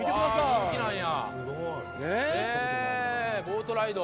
人気なんや。